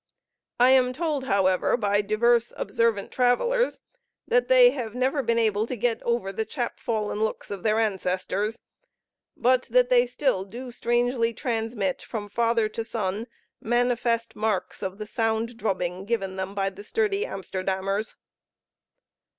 I am told, however, by divers observant travelers, that they have never been able to get over the chap fallen looks of their ancestors; but that they still do strangely transmit, from father to son, manifest marks of the sound drubbing given them by the sturdy Amsterdammers.